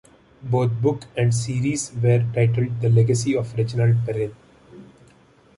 Both book and series were titled "The Legacy of Reginald Perrin".